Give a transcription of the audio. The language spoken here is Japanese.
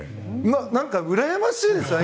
うらやましいですよね